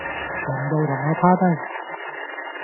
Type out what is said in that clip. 全部同我趴低